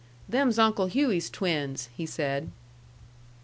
"Them's Uncle Hughey's twins," he said.